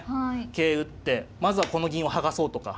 桂打ってまずはこの銀を剥がそうとか。